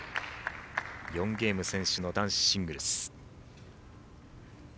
４ゲーム先取の男子シングルス。